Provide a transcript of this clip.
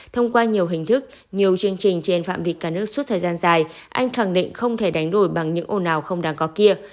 thông qua nhiều hình thức nhiều chương trình trên phạm vị cả nước suốt thời gian dài anh khẳng định không thể đánh đổi bằng những ồn ào không đáng có kia